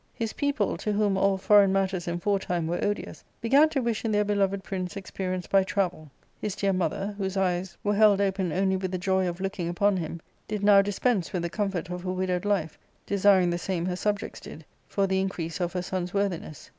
His people, to whom all foreign matters in foretime were odious, began to wish in their beloved prince experience by travel ; his dear mother, whose eyes were held open only with the joy of looking upon him, did now dispense with the comfort of her widowed life, desiring the same her subjects did, for the increase of her son's worthiness.